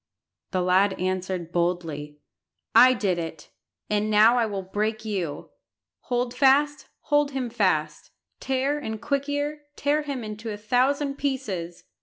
The lad answered boldly "I did it, and now I will break you. Hold fast, hold him fast; Tear and Quick ear, tear him into a thousand pieces!"